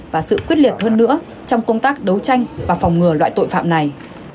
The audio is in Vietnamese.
và sự quyết liệt hơn nữa trong công tác đấu tranh và phòng ngừa loại tội phạm này